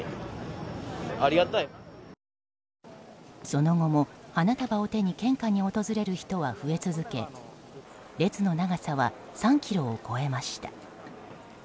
その後も、花束を手に献花に訪れる人は増え続け列の長さは３ｋｍを超えました。